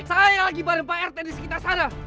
saya lagi bareng pak rt di sekitar sana